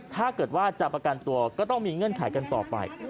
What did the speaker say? ถ้าเกิดว่าจะประกันตัวก็ต้องมีเงื่อนไขกันต่อไป